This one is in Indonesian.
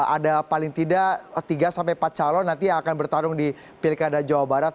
ada paling tidak tiga sampai empat calon nanti yang akan bertarung di pilkada jawa barat